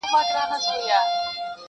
قلندر ته کار مهم د تربیت وو؛